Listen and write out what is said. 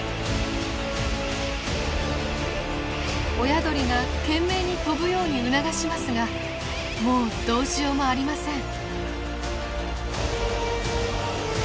親鳥が懸命に飛ぶように促しますがもうどうしようもありません。